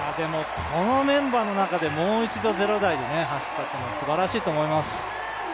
このメンバーの中で、もう一度０台で走ったというのはすごいと思います。